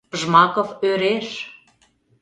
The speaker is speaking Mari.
Жмаков ӧреш...